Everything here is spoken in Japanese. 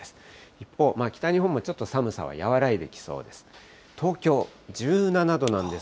一方、北日本もちょっと寒さは和らいできそうです。